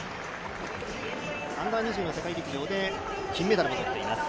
Ｕ２０の世界陸上で金メダルを取っています。